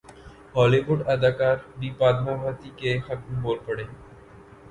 Holi would اداکارہ بھی پدماوتی کے حق میں بول پڑیں